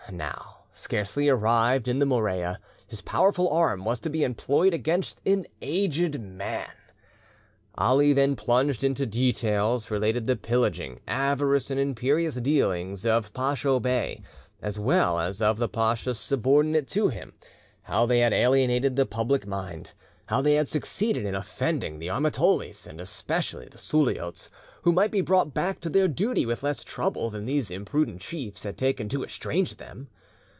Now, scarcely arrived in the Morea, his powerful arm was to be employed against an aged man. Ali then plunged into details, related the pillaging, avarice, and imperious dealing of Pacho Bey, as well as of the pachas subordinate to him; how they had alienated the public mind, how they had succeeded in offending the Armatolis, and especially the Suliots, who might be brought back to their duty with less trouble than these imprudent chiefs had taken to estrange them.